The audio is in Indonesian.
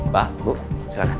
pak bu silahkan